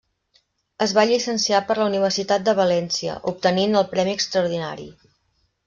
Es va llicenciar per la Universitat de València, obtenint el premi extraordinari.